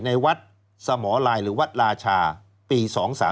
ในวัดสมลายหรือวัดราชาปี๒๓